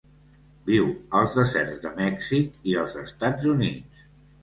Viu als deserts de Mèxic i els Estats Units.